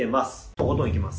とことんいきます。